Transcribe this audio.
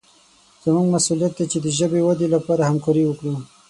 زموږ مسوولیت دی چې د ژبې ودې لپاره همکاري وکړو.